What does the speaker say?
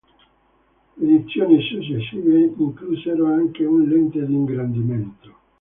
Edizioni successive inclusero anche una lente di ingrandimento.